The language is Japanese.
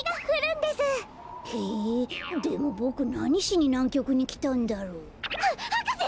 へえでもボクなにしになんきょくにきたんだろう？ははかせ！